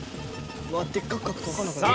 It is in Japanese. うわっでっかく書くとわかんなくなる。